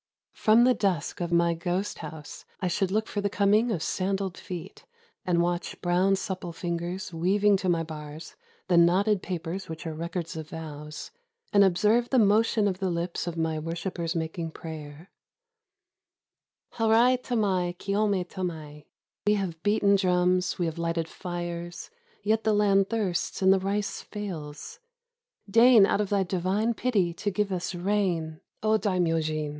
From the dusk of my ghost house I should look for the coming of sandaled feet, and watch brown supple fingers weaving to my bars the knotted papers which are records of vows, and observe the motion of the lips of my worshipers making prayer :——" Harai tamai kiyotne tamaef ... We have beaten drums, we have lighted fires; yet the land thirsts and the rice fails. Deign out of thy divine pity to give us rain, O Daimyojin!"